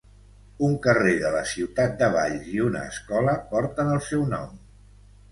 Un carrer de la ciutat de Valls i una escola porten el seu nom.